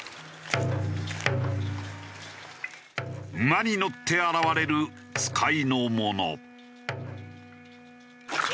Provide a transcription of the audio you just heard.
馬に乗って現れる使いの者。